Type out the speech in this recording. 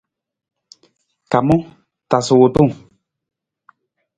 Kamang, tasa wutung.